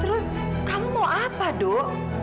terus kamu apa dok